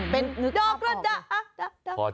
เป็นดอกกระดะ